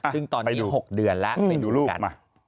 ซึ่งตอนนี้๖เดือนแล้วไปดูลูกกัน